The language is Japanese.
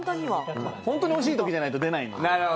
本当においしいときじゃないと出ないんで。